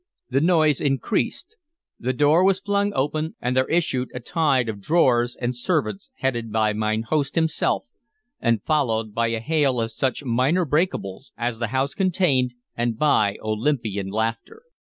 The noise increased. The door was flung open, and there issued a tide of drawers and servants headed by mine host himself, and followed by a hail of such minor breakables as the house contained and by Olympian laughter.